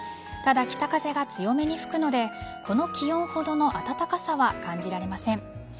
ただ、北風が強めに吹くのでこの気温ほどの暖かさは感じられません。